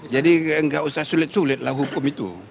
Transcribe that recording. jadi nggak usah sulit sulitlah hukum itu